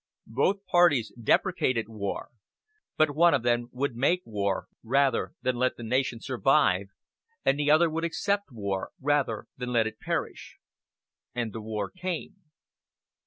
Both parties deprecated war; but one of them would make war rather than let the nation survive; and the other would accept war rather than let it perish. And the war came.